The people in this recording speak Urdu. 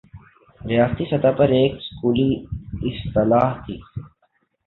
ریاستی سطح پر ایک سکولی اصطلاح تھِی